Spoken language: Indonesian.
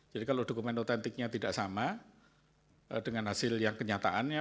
jadi kalau dokumen otentiknya tidak sama dengan hasil yang kenyataannya